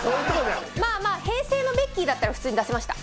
まぁまぁ平成のベッキーだったら普通に出せました。